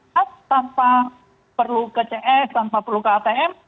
pas tanpa perlu ke cs tanpa perlu ke atm